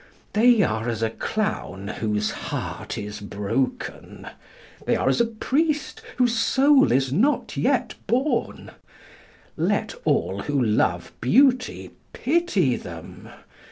They are as a clown whose heart is broken. They are as a priest whose soul is not yet born. Let all who love Beauty pity them.